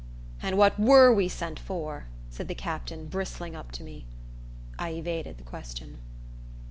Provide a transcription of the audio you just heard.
"And what were we sent for?" said the captain, bristling up to me. I evaded the question.